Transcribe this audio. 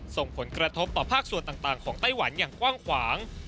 ส่งผลกระทบต่อภาคส่วนต่างของไต้หวันอย่างกว้างขวาง